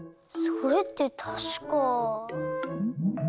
それってたしか。